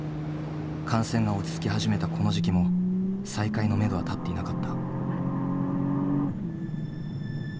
感染が落ち着き始めたこの時期も再開のめどは立っていなかった。